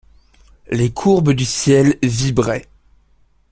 Les courbes du ciel vibraient.